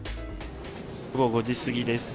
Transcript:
午後５時過ぎです。